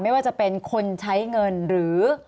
ไม่ว่าจะเป็นคนใช้เงินหรือ